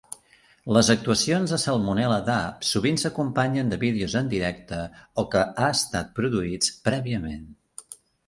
Les actuacions de Salmonella Dub sovint s'acompanyen de vídeos en directe o que ha estat produïts prèviament.